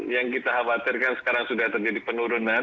yang kita khawatirkan sekarang sudah terjadi penurunan